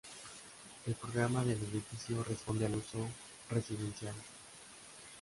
El programa del edificio responde al uso residencial.